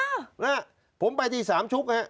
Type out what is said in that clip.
อ้าวนะผมไปที่สามชุก